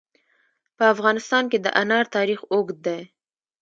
په افغانستان کې د انار تاریخ اوږد دی.